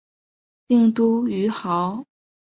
定都于亳。